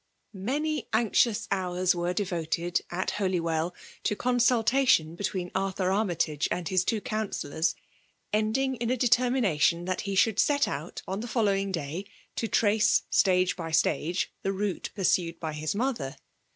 Many anxious hcnin were devoted, at Holf* well, to conmiltation between ArUinr Armj tage and his two ecmnselloTs, ending in a determination Aat be should set out, on the snowing day, to tmee, stage by stage, the route pursued by his mother.